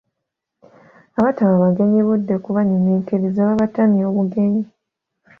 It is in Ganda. Abatawa bagenyi budde kubanyuminkiriza babatamya obugenyi.